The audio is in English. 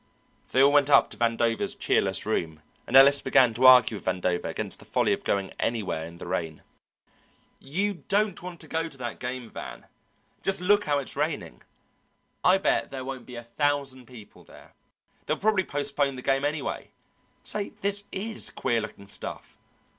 They all went up to Vandover's cheerless room, and Ellis began to argue with Vandover against the folly of going anywhere in the rain. "You don't want to go to that game, Van. Just look how it's raining. I'll bet there won't be a thousand people there. They'll probably postpone the game anyway. Say, this is queer looking stuff.